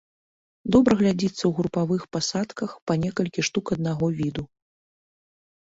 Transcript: Добра глядзіцца ў групавых пасадках па некалькі штук аднаго віду.